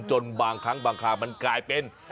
จนบางครั้งบางคราวมันกลายเป็น